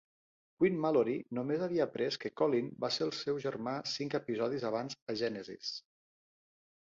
Quinn Mallory només havia après que Colin va ser el seu germà cinc episodis abans a "Genesis".